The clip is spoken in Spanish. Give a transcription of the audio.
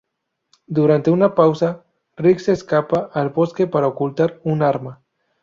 Durante una pausa, Rick se escapa al bosque para ocultar un arma.